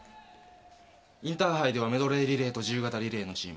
インターハイではメドレーリレーと自由形リレーのチーム。